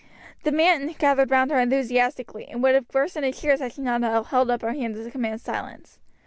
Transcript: The men gathered round her enthusiastically, and would have burst into cheers had she not held up her hand to command silence.